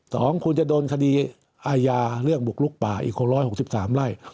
สองคุณจะโดนคดีอาญาเรื่องบุกลุกป่าอีก๖๖๓ไร่